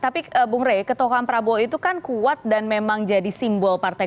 tapi bung rey ketokohan prabowo itu kan kuat dan memang jadi simpulnya gitu kan